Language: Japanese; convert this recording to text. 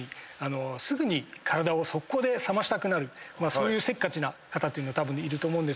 そういうせっかちな方というのはたぶんいると思うんですけど。